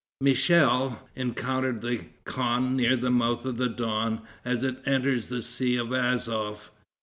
Michel encountered the khan near the mouth of the Don, as it enters the Sea of Azof.